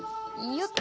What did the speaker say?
よっと！